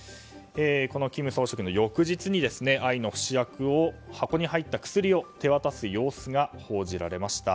金総書記の翌日に、愛の不死薬を箱に入った薬を手渡す様子が報じられました。